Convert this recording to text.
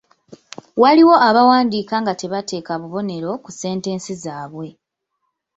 Waliwo abawandiika nga tebateeka bubonero ku sentensi zaabwe.